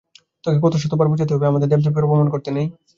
তোকে কতোবার বোঝাতে হবে যে আমাদের দেবদেবীর অপমান করতে নেই।